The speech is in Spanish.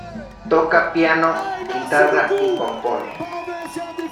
Toca piano, guitarra y compone.